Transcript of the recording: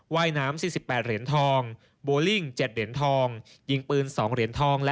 ว่ายน้ำ๔๘เหรียญทอง